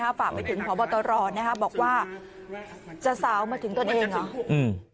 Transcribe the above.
แล้วจะฝากมาถึงพระบัตรร้อนนะฮะบอกว่าจะสาวมาถึงตัวเองหรอ